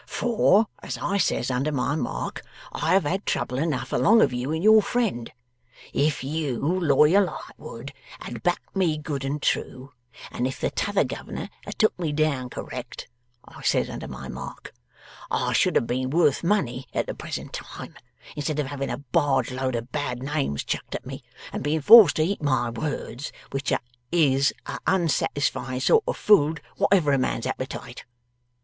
For (as I says under my mark) I have had trouble enough along of you and your friend. If you, Lawyer Lightwood, had backed me good and true, and if the T'other Governor had took me down correct (I says under my mark), I should have been worth money at the present time, instead of having a barge load of bad names chucked at me, and being forced to eat my words, which is a unsatisfying sort of food wotever a man's appetite!